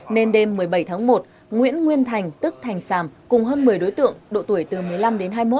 nên đêm một mươi bảy tháng một nguyễn nguyên thành tức thành sàm cùng hơn một mươi đối tượng độ tuổi từ một mươi năm đến hai mươi một